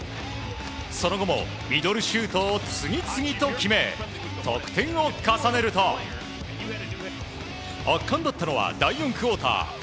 その後もミドルシュートを次々と決め得点を重ねると圧巻だったのは第４クオーター。